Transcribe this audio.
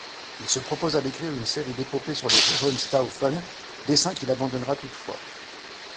Il se proposa d’écrire une série d’épopées sur les Hohenstaufen, dessein qu’il abandonnera toutefois.